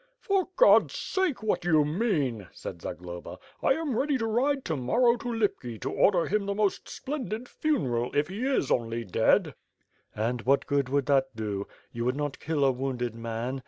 "For God^s sake, what do you mean?" said Zagloba. "I am ready to ride to morrow to Lipki to order him the most splen did funeral, if he is only dead." "And what good would that do? You would not kill a wounded man!